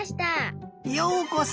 ようこそ！